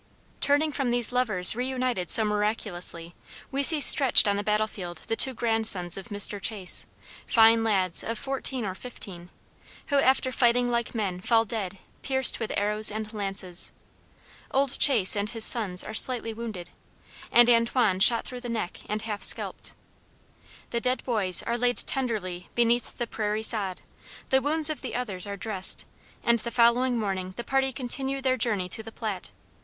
Turning from these lovers reunited so miraculously, we see stretched on the battle field the two grandsons of Mr. Chase, fine lads of fourteen or fifteen, who after fighting like men fall dead pierced with arrows and lances. Old Chase and his sons are slightly wounded, and Antoine shot through the neck and half scalped. The dead boys are laid tenderly beneath the prairie sod, the wounds of the others are dressed, and the following morning the party continue their journey to the Platte.